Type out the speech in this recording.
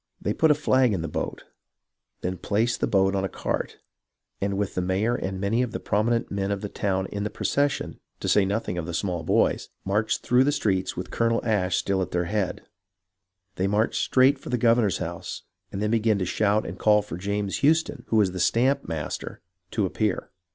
They put a flag in the boat, then placed the boat on a cart, and with the mayor and many of the prominent men of the town in the procession, to say nothing of the small boys, marched through the streets with Colonel Ashe still at their head. They marched straight for the governor's house and then began to shout and call for James Houston, who was the stamp master, to appear.